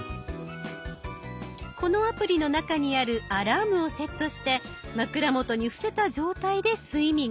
このアプリの中にあるアラームをセットして枕元に伏せた状態で睡眠。